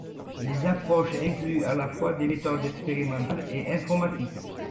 Les approches incluent à la fois des méthodes expérimentales et informatiques.